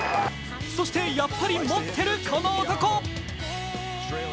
そして、やっぱり持ってるこの男。